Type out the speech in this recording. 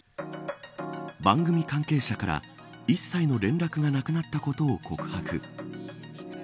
番組関係者から一切の連絡がなくなったことを告白。